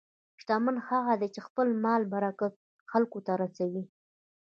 شتمن هغه دی چې د خپل مال برکت خلکو ته رسوي.